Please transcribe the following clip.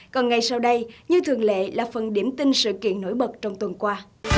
còn ngay sau đây như thường lệ là phần điểm tin sự kiện nổi bật trong tuần qua